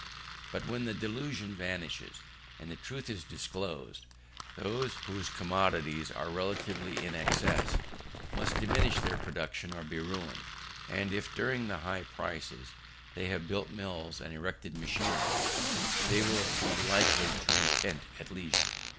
But when the delusion vanishes and the truth is disclosed, those whose commodities are relatively in excess must diminish their production or be ruined: and if during the high prices they have built mills and erected machinery, they will be likely to repent at leisure.